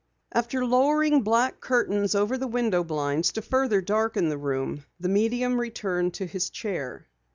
After lowering black curtains over the window blinds to further darken the room, the medium returned to his chair.